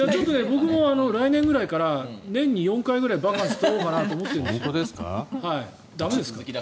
僕も来年ぐらいから年に４回ぐらいバカンス取ろうかなと思ってるんですけど駄目ですか？